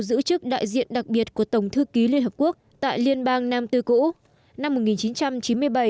giữ chức đại diện đặc biệt của tổng thư ký liên hợp quốc tại liên bang nam tư cũ năm một nghìn chín trăm chín mươi bảy